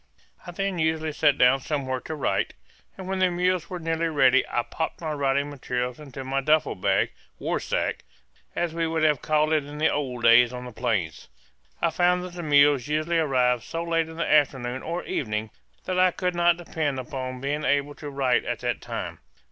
I then usually sat down somewhere to write, and when the mules were nearly ready I popped my writing materials into my duffel bag/war sack, as we would have called it in the old days on the plains. I found that the mules usually arrived so late in the afternoon or evening that I could not depend upon being able to write at that time.